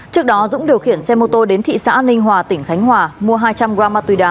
trước đó dũng điều khiển xe mô tô đến thị xã ninh hòa tỉnh khánh hòa mua hai trăm linh gram ma túy đá